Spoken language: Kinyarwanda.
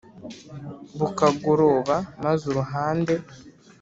Bukagoroba maze uruhande!”